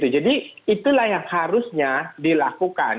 jadi itulah yang harusnya dilakukan